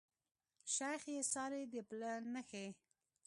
شيخ ئې څاري د پله نخښي